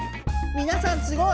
みなさんすごい。